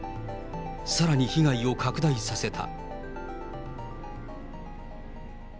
さらに被害を拡大させた。